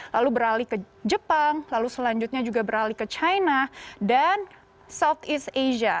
lalu beralih ke jepang lalu selanjutnya juga beralih ke china dan southeast asia